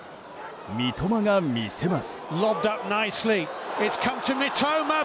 三笘が魅せます。